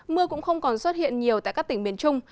mưa cũng không còn xuất hiện nhiều tại các tỉnh miền trung